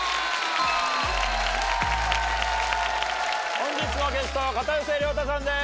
本日のゲストは片寄涼太さんです。